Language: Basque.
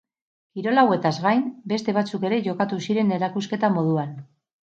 Kirol hauetaz gain beste batzuk ere jokatu ziren erakusketa moduan.